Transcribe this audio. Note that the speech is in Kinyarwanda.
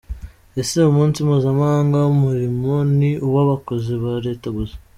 Ese umunsi mpuzamahanga w’umurimo ni uw’abakozi ba Leta gusa .